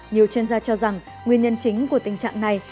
nhiều chuyên gia cho rằng nguyên nhân chính của tình trạng này